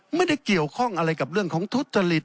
ไม่ได้เกี่ยวข้องอะไรกับเรื่องของทุจริต